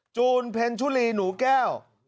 จูนเพ็ญชุลีหนูแก้ว